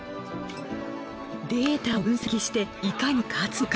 データを分析していかに勝つのか。